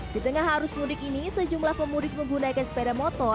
di tengah arus mudik ini sejumlah pemudik menggunakan sepeda motor